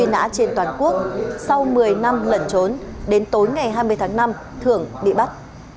nã trên toàn quốc sau một mươi năm lận trốn đến tối ngày hai mươi tháng năm thường bị bắt